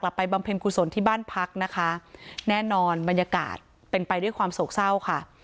ไปบำเพ็ญกุศลที่บ้านพักนะคะแน่นอนบรรยากาศเป็นไปด้วยความโศกเศร้าค่ะ